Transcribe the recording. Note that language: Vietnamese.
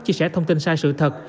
chia sẻ thông tin sai sự thật